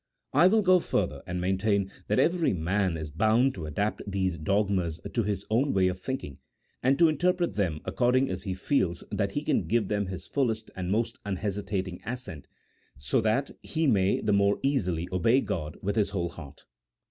I will go further, and maintain that every man is bound to adapt these dogmas to his own way of thinking, and to interpret them according as he feels that he can give them his fullest and most unhesitating assent, so that he may the more easily obey God with his whole heart.